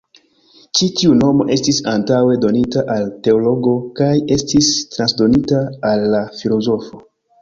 Ĉi tiu nomo estis antaŭe donita al teologo kaj estis transdonita al la filozofo.